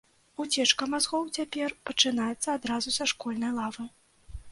Уцечка мазгоў цяпер пачынаецца адразу са школьнай лавы.